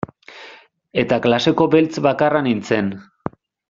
Eta klaseko beltz bakarra nintzen.